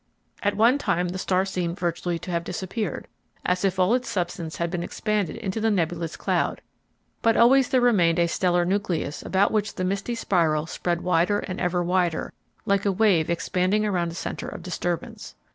At one time the star seemed virtually to have disappeared, as if all its substance had been expanded into the nebulous cloud, but always there remained a stellar nucleus about which the misty spiral spread wider and ever wider, like a wave expanding around a center of disturbance.